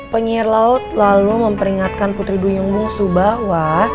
penyihir laut lalu memperingatkan putri duyung bungsu bahwa